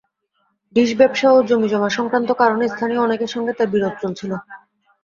Dish ব্যবসা ও জমিজমা সংক্রান্ত কারণে স্থানীয় অনেকের সঙ্গে তাঁর বিরোধ চলছিল।